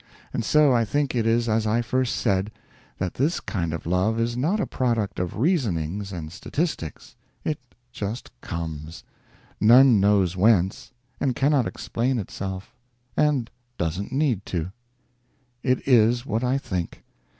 And so I think it is as I first said: that this kind of love is not a product of reasonings and statistics. It just comes none knows whence and cannot explain itself. And doesn't need to. It is what I think.